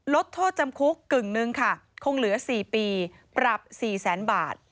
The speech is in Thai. ลดโทษจำคุกกึ่งหนึ่งค่ะคงเหลือ๔ปีปรับ๔แสนบาท